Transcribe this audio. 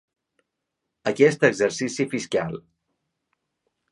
Aquest exercici fiscal.